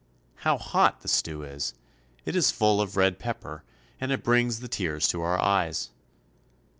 How hot the stew is ! It is full of red pepper, and it brings the tears to our eyes.